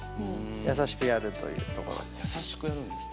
優しくやるというところです。